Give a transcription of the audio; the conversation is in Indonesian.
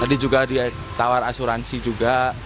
tadi juga ditawar asuransi juga